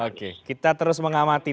oke kita terus mengamati